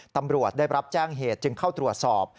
ตำรวจได้รับแจ้งเหตุจึงเข้าตรวจสอบ